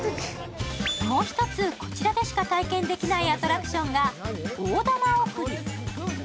もう一つ、こちらでしか体験できないアトラクションがおおだまおくり。